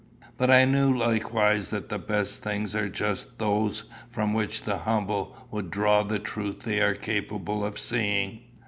But I knew likewise that the best things are just those from which the humble will draw the truth they are capable of seeing.